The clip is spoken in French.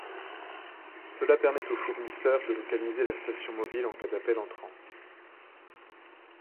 Cela permet au fournisseur de localiser la station mobile en cas d'appel entrant.